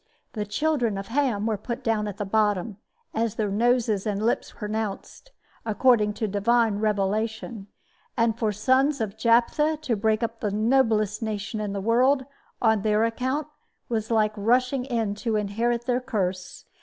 The children of Ham were put down at the bottom, as their noses and their lips pronounced, according to Divine revelation; and for sons of Japheth to break up the noblest nation in the world, on their account, was like rushing in to inherit their curse.